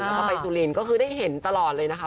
แล้วก็ไปสุรินทร์ก็คือได้เห็นตลอดเลยนะคะ